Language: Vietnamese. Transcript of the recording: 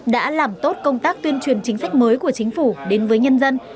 đã làm tốt công tác tuyên truyền chính sách mới của chính phủ đến với nhân dân